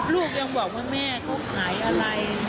ลูกยังบอกว่าแม่เขาขายอะไร